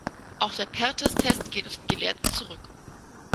Auch der Perthes-Test geht auf den Gelehrten zurück.